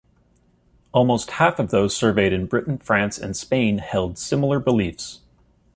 Almost half of those surveyed in Britain, France and Spain held similar beliefs.